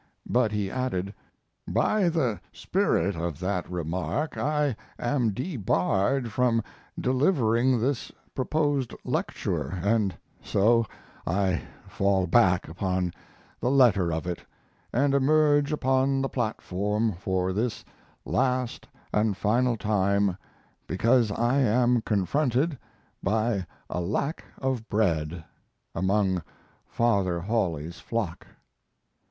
But he added: By the spirit of that remark I am debarred from delivering this proposed lecture, and so I fall back upon the letter of it, and emerge upon the platform for this last and final time because I am confronted by a lack of bread among Father Hawley's flock.